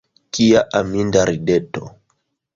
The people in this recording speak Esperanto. Kia aminda rideto!